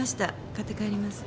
買って帰ります。